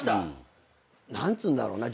何つうんだろうな？